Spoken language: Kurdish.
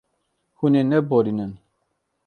Hûn ê neborînin.